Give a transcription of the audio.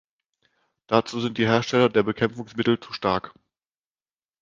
Dazu sind die Hersteller der Bekämpfungsmittel zu stark.